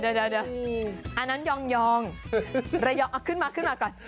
เดี๋ยวอันนั้นยองไรยองอ้ะขึ้นมาก่อน